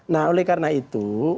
nah oleh karena itu